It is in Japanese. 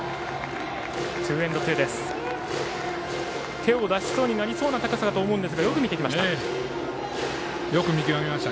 手を出しそうになりそうな高さですがよく見てきました。